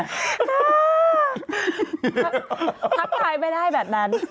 ทักทายไม่ได้แบบนั้น